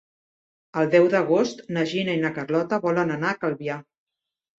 El deu d'agost na Gina i na Carlota volen anar a Calvià.